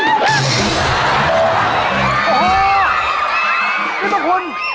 นี่เป็นคุณ